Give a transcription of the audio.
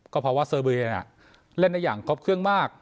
ก็เพราะว่าเซอร์เวย์เล่นได้อย่างครบเครื่องมาก